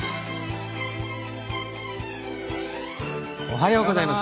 おはようございます。